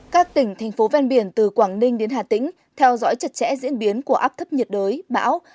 các tỉnh thành phố ven biển từ quảng ninh đến hà tĩnh theo dõi chặt chẽ diễn biến của áp thấp nhiệt đới bão